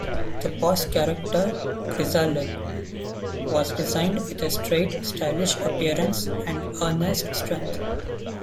The boss character, Krizalid, was designed with a straight, stylish appearance and earnest strength.